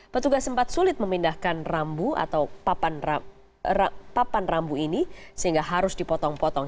petugas sempat sulit memindahkan rambu atau papan rambu ini sehingga harus dipotong potong